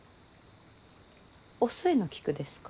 お寿恵の菊ですか？